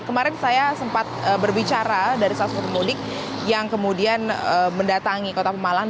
kemarin saya sempat berbicara dari salah satu pemudik yang kemudian mendatangi kota pemalang